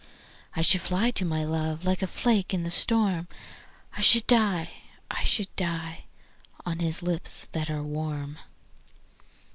I should fly to my love Like a flake in the storm, I should die, I should die, On his lips that are warm.